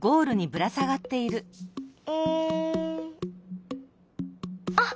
うん。あっ！